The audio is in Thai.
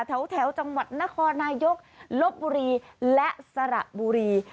แถวจังหวัดนครนายกลบบุรีและสระบุรี